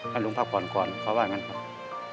แล้วลุงพักก่อนก่อนเขาว่าอย่างนั้นครับ